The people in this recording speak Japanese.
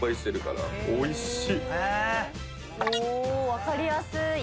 分かりやすい？